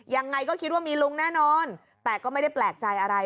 ยังไงก็คิดว่ามีลุงแน่นอนแต่ก็ไม่ได้แปลกใจอะไร